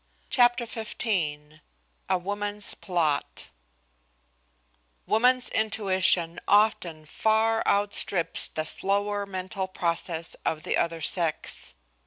CHAPTER XV A WOMAN'S PLOT Woman's intuition often far outstrips the slower mental process of the other sex.